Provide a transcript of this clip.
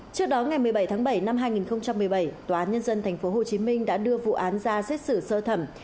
trước đó ngày một mươi bảy tháng bảy năm hai nghìn một mươi bảy tòa án nhân dân tp hcm đã đưa vụ án ra xét xử sơ thẩm